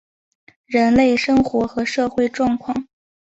人类生活和社会状况